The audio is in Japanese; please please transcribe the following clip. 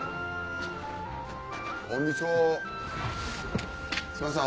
こんにちはすいません